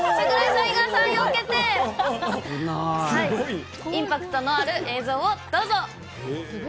よけて、インパクトのある映像をどうぞ。